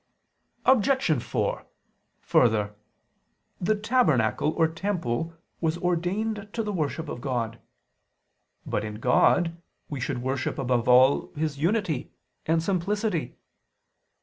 Obj. 4: Further, the tabernacle or temple was ordained to the worship of God. But in God we should worship above all His unity and simplicity.